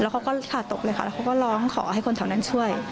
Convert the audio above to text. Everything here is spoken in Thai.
ก็กะตกกะตกเลยค่ะเราร้องขอให้คนแถวนั้นช่วย